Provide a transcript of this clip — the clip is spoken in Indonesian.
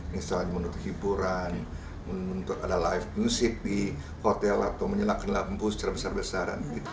misalnya menuntut hiburan menutup ada live music di hotel atau menyalakan lampu secara besar besaran